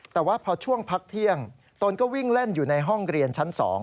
แต่ว่าพอช่วงพักเที่ยงตนก็วิ่งเล่นอยู่ในห้องเรียนชั้น๒